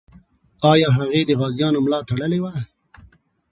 آیا هغې د غازیانو ملا تړلې وه؟